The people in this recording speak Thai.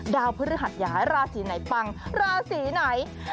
ดาวพฤหดยายลาศีไหนปังลาศีไหน